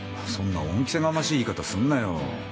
そんな恩着せがましい言い方すんなよ。